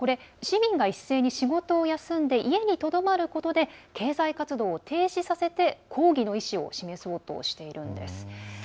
市民が一斉に仕事を休んで家にとどまることで経済活動を停止させて抗議の意思を示そうとしているんです。